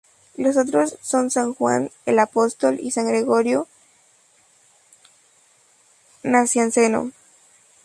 Los otros son san Juan el Apóstol y san Gregorio Nacianceno.